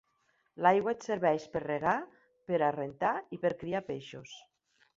L'aigua et serveix pera regar, pera rentar, pera criar peixos